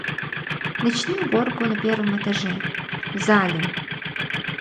Начни уборку на первом этаже, в зале.